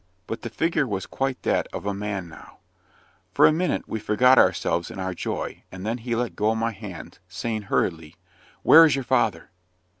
But the figure was quite that of a man now. For a minute we forgot ourselves in our joy, and then he let go my hands, saying hurriedly "Where is your father?"